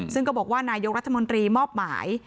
ซึ่งก็บอกว่านายกรัฐมนตรีมอบหมาย